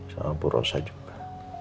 sama bu rossa juga